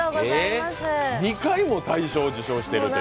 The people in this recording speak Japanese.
２回も大賞を受賞している！